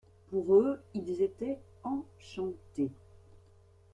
Pour eux, ils étaient enchantés.